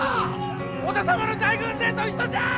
織田様の大軍勢と一緒じゃ！